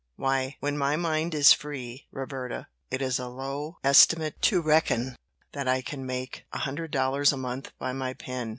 Why, when my mind is free, Roberta, it is a low estimate to reckon that I can make a hundred dollars a month by my pen."